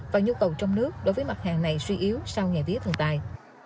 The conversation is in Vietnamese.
và nhu cầu trong nước đối với mặt hàng này suy yếu sau ngày vía thần tài